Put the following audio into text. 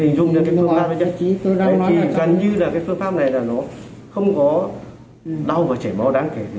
hình dung như là cái phương pháp này là nó không có đau và chảy bó đáng kể gì cả